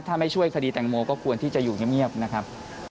ถ้าไม่ช่วยคดีแตงโมก็ควรที่จะอยู่เงียบนะครับ